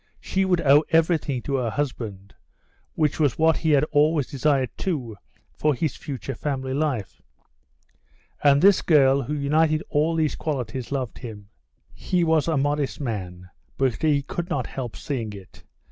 She would owe everything to her husband, which was what he had always desired too for his future family life. And this girl, who united all these qualities, loved him. He was a modest man, but he could not help seeing it.